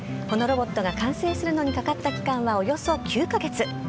このロボットが完成するのにかかった期間はおよそ９か月。